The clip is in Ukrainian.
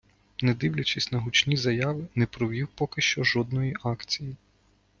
Не дивлячись на гучні заяви, не провів поки що жодної акції.